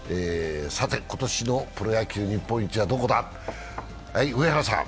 今年のプロ野球日本一はどこだ？